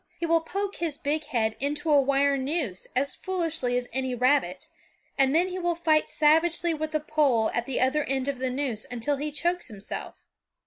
He will poke his big head into a wire noose as foolishly as any rabbit, and then he will fight savagely with the pole at the other end of the noose until he chokes himself.